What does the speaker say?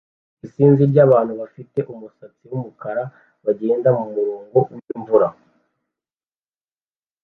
Isinzi ryabantu bafite umusatsi wumukara bagenda mumurongo wimvura